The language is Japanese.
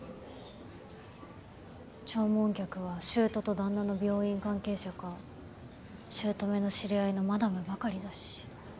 弔問客は舅と旦那の病院関係者か姑の知り合いのマダムばかりだし。